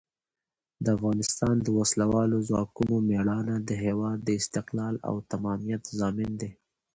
د افغانستان د وسلوالو ځواکونو مېړانه د هېواد د استقلال او تمامیت ضامن ده.